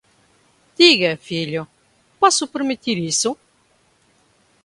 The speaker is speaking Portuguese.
Diga, filho, posso permitir isso?